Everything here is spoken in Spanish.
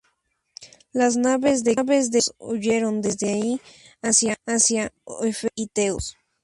Las naves de Quíos huyeron desde allí hacia Éfeso y Teos.